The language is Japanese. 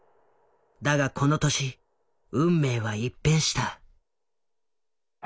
だがこの年運命は一変した。